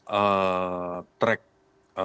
yang menurunnya ini adalah yang terakhir